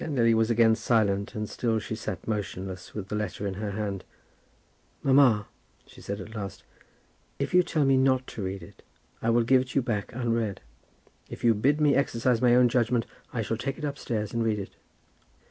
Then Lily was again silent, and still she sat motionless, with the letter in her hand. "Mamma," she said, at last, "if you tell me not to read it, I will give it you back unread. If you bid me exercise my own judgment, I shall take it upstairs and read it."